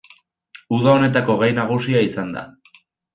Uda honetako gai nagusia izan da.